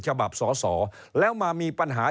ฉบับสอสอแล้วมามีปัญหา